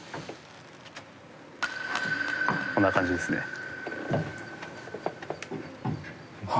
こんな感じですね。